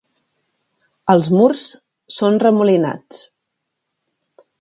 Els murs són remolinats.